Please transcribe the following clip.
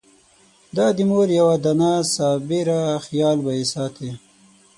دا د مور یوه دانه صابره خېال به يې ساتي!